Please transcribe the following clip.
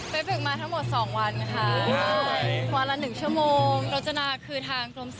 ไปปึกมาทั้งหมดสองวันนะคะ